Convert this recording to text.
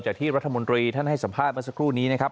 ที่รัฐมนตรีท่านให้สัมภาษณ์เมื่อสักครู่นี้นะครับ